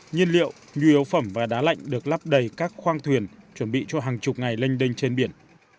nhiên liệu nhu yếu phẩm và đá lạnh được lắp đầy các khoang thuyền chuẩn bị cho hàng chục ngày lênh đênh trên biển